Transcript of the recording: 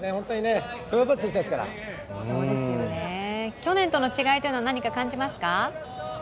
去年との違いは何か感じますか？